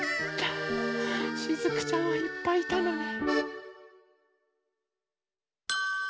しずくちゃんはいっぱいいたのね。